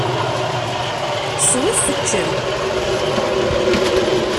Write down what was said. Swet teččem.